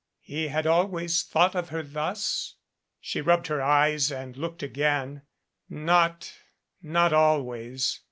He had always thought of her thus? She rubbed her eyes and looked again. Not, not always.